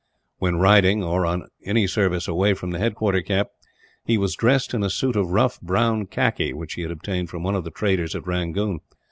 When riding, or on any service away from the headquarter camp, he was dressed in a suit of tough brown khaki which he had obtained from one of the traders at Rangoon.